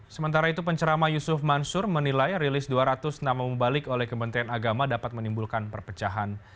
sementara itu pencerama yusuf mansur menilai rilis dua ratus nama mubalik oleh kementerian agama dapat menimbulkan perpecahan